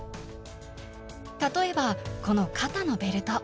例えばこの肩のベルト。